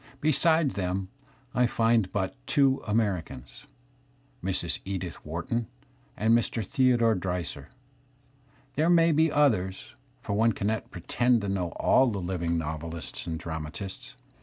Beside them C\(\ I find but two Americans, Mrs. Edith Wharton and Mr. Theodore Dreiser. There may be others, for one cannot pretend to know all the living novelists and dramatists.